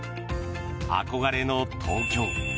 憧れの東京。